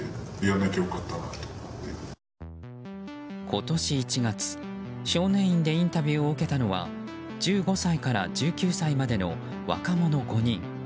今年１月、少年院でインタビューを受けたのは１５歳から１９歳までの若者５人。